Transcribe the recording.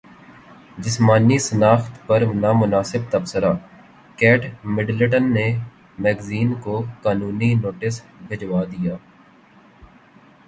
جسمانی ساخت پر نامناسب تبصرہ کیٹ مڈلٹن نے میگزین کو قانونی نوٹس بھجوادیا